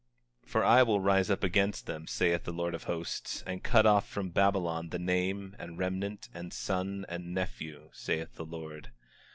24:22 For I will rise up against them, saith the Lord of Hosts, and cut off from Babylon the name, and remnant, and son, and nephew, saith the Lord.